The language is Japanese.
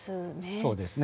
そうですね。